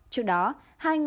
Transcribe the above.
trước đó hai ngõ vùng